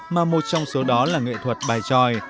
mà một trong số đó là nghệ thuật bài tròi